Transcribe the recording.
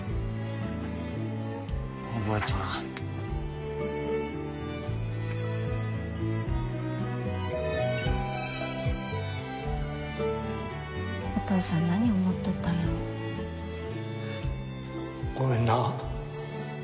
覚えとらんお父さん何思っとったんやろごめんな